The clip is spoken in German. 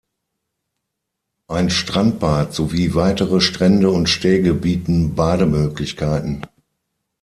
Ein Strandbad sowie weitere Strände und Stege bieten Bademöglichkeiten.